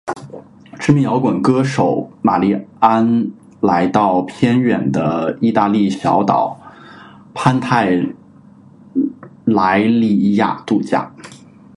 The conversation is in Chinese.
知名摇滚歌手玛莉安来到偏远的义大利小岛潘泰莱里亚度假。